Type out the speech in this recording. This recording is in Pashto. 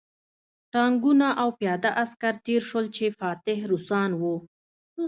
ټانکونه او پیاده عسکر تېر شول چې فاتح روسان وو